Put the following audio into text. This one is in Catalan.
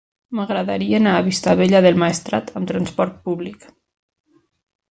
M'agradaria anar a Vistabella del Maestrat amb transport públic.